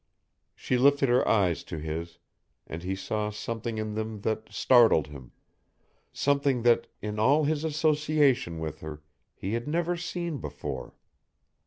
She lifted her eyes to his and he saw something in them that startled him something that, in all his association with her, he had never seen before.